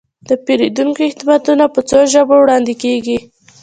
د پیرودونکو خدمتونه په څو ژبو وړاندې کیږي.